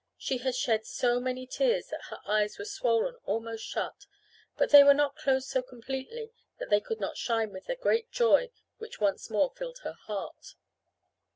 She had shed so many tears that her eyes were swollen almost shut, but they were not closed so completely that they could not shine with the great joy which once more filled her heart.